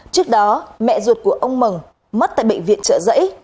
trước đó mẹ ruột của ông mẩn mất tại bệnh viện trợ giấy